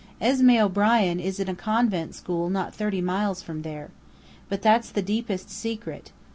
Esmé O'Brien is in a convent school not thirty miles from there. But that's the deepest secret.